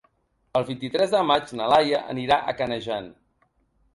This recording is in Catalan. El vint-i-tres de maig na Laia anirà a Canejan.